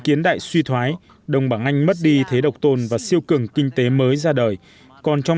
kiến đại suy thoái đồng bằng anh mất đi thế độc tồn và siêu cường kinh tế mới ra đời còn trong